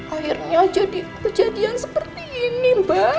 akhirnya jadi kejadian seperti ini mbak